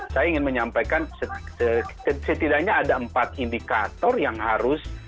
saya ingin menyampaikan setidaknya ada empat indikator yang harus